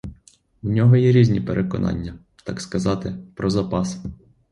У нього є різні переконання, так сказати, про запас.